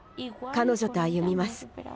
彼女と歩みます。